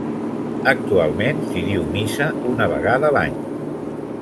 Actualment s'hi diu missa una vegada l'any.